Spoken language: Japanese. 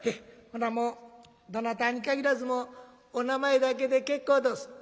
ほなもうどなたに限らずお名前だけで結構どす」。